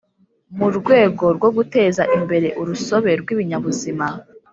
Mu rwego rwo guteza imbere urusobe rw’ibinyabuzima